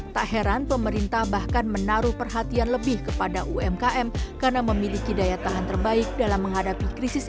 tak heran pemerintah bahkan menaruh perhatian lebih kepada umkm karena memiliki daya tahan terbaik dalam menghadapi krisis